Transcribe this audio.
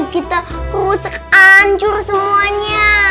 kita rusak ancur semuanya